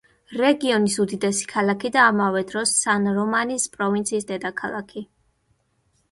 რეგიონის უდიდესი ქალაქი და ამავე დროს სან-რომანის პროვინციის დედაქალაქი.